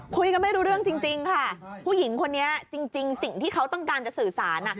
คุยกันไม่รู้เรื่องจริงค่ะผู้หญิงคนนี้จริงสิ่งที่เขาต้องการจะสื่อสาร